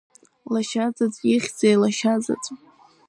Лашьазаҵә, ихьзеи лашьазаҵә!